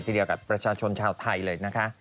ทีเดียวกับประชาชนชาวไทยเลยนะคะ